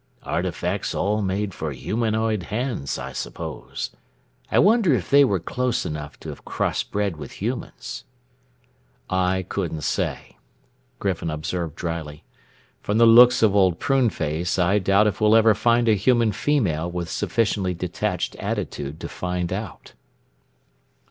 "Artifacts all made for humanoid hands I suppose. I wonder if they were close enough to have crossbred with humans." "I couldn't say," Griffin observed dryly. "From the looks of Old Pruneface I doubt if we'll ever find a human female with sufficiently detached attitude to find out."